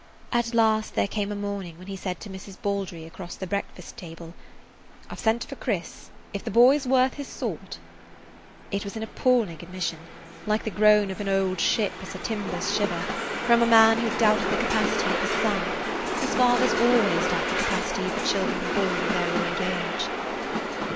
At last there came a morning when he said to Mrs. Baldry across the breakfast table: "I 've sent for Chris. If the boy 's worth his salt–" It was an appalling admission, like the groan of an old ship as her timbers shiver, from a man who doubted the capacity of his son, as fathers always doubt the capacity of the children born of their old age.